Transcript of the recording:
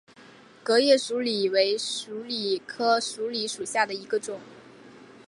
革叶鼠李为鼠李科鼠李属下的一个种。